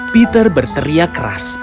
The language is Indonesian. peter berteriak keras